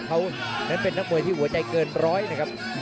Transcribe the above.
เขานั้นเป็นนักมวยที่หัวใจเกินร้อยนะครับ